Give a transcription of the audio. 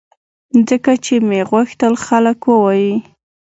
ځکه چې مې غوښتل خلک ووایي